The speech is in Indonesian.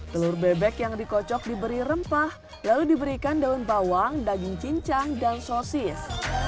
telur bebek yang dikocok diberi rempah lalu diberikan daun bawang daging cincang dan sosis